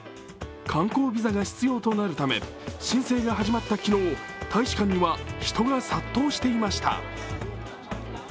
観光ビザが必要となるため、申請が始まった昨日、大使館には人が殺到していました。